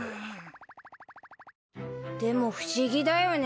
でも不思議だよね